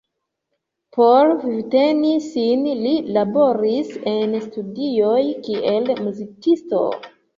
Por vivteni sin li laboris en studioj kiel muzikisto.